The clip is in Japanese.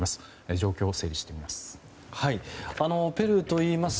状況を整理してみます。